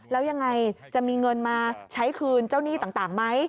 แล้วยังไงจะมีเงินมาใช้คืนเจ้าหนี้ต่างไหม